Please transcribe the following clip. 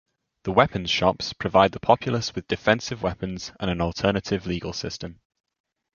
The Weapon Shops provide the populace with defensive weapons and an alternative legal system.